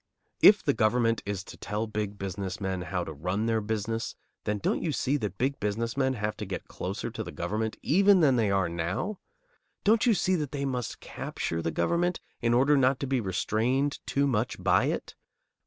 If the government is to tell big business men how to run their business, then don't you see that big business men have to get closer to the government even than they are now? Don't you see that they must capture the government, in order not to be restrained too much by it?